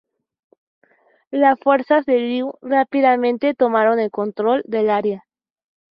Las fuerzas de Liu rápidamente tomaron el control del área.